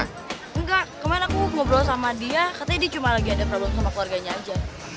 enggak kemarin aku ngobrol sama dia katanya dia cuma lagi ada problem sama keluarganya aja